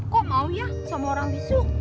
kok mau ya sama orang bisu